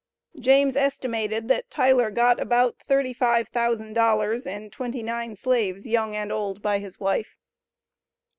James estimated that "Tyler got about thirty five thousand dollars and twenty nine slaves, young and old, by his wife."